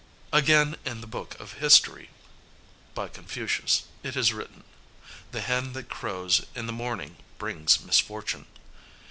Again, in the "Book of History," by Confucius, it is written, "The hen that crows in the morning brings misfortune."